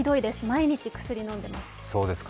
毎日薬飲んでいます。